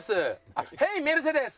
あっヘイメルセデス。